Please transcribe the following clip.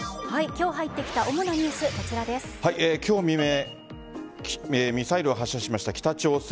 今日入ってきた主なニュースは今日未明ミサイルを発射しました北朝鮮。